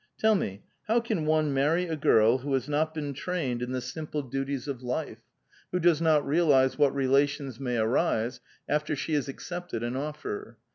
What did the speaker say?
Tell me, how (?an one marry a girl who has not been trained in the simple duties of 438 A VITAL QUESTION. life, wbo does not realize what relatiooB may arise after she has accepted an offer?